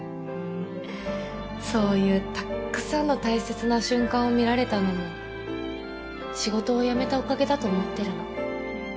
そういうたっくさんの大切な瞬間を見られたのも仕事を辞めたおかげだと思ってるの。